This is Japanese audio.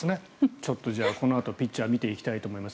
ちょっとこのあとピッチャーを見ていきます。